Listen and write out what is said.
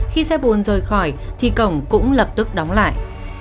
khi xe bồn rời khỏi thì cổng cũng lập tức đóng lại